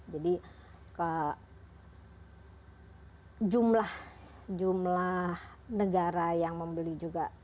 jadi jumlah negara yang membeli juga